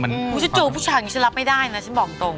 ฉันเจอผู้ชายอย่างนี้ฉันรับไม่ได้นะฉันบอกตรง